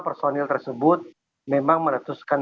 personil tersebut memang meretuskan